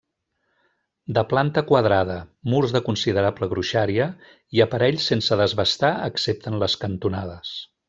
De planta quadrada, murs de considerable gruixària, i aparell sense desbastar excepte en les cantonades.